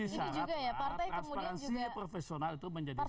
aspiransi profesional itu menjadi sangat